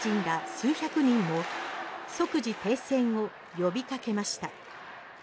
数百人も即時停戦を呼びかけました。